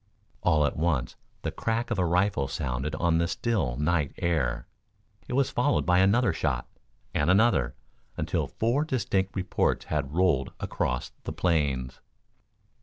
All at once the crack of a rifle sounded on the still night air. It was followed by another shot, and another, until four distinct reports had rolled across the plains.